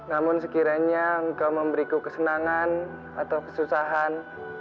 namun sekiranya engkau memberiku kesenangan atau kesusahan